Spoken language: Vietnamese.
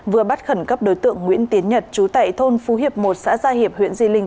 vừa bắt khẩn cấp đối tượng nguyễn tiến nhật trú tại thôn phú hiệp một xã gia hiệp huyện di linh